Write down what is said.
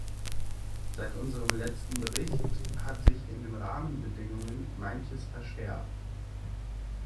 Seit unserem letzten Bericht hat sich in den Rahmenbedingungen manches verschärft.